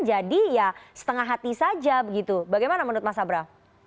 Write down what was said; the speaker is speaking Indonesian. jadi ya setengah hati saja begitu bagaimana menurut mas abra